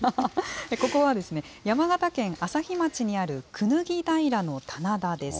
ここは山形県朝日町にある椹平の棚田です。